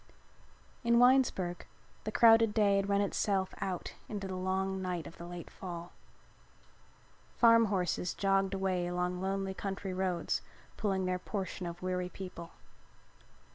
In Winesburg the crowded day had run itself out into the long night of the late fall. Farm horses jogged away along lonely country roads pulling their portion of weary people.